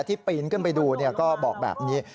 ปีนขึ้นไปดูก็บอกแบบนี้